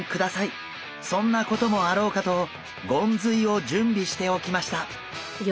そんなこともあろうかとゴンズイを準備しておきました。